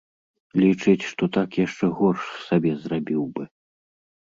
Лічыць, што так яшчэ горш сабе зрабіў бы.